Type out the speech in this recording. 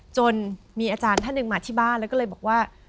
จนมีอาจารย์ท่านหนึ่งมาที่บ้านแล้วก็เลยบอกว่า